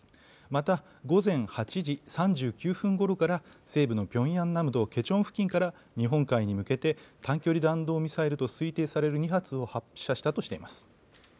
また、午前８時３９分ごろから、西部のピョンアン南道ケチョン付近から日本海に向けて、短距離弾道ミサイルと推定される２発を発射したとしています。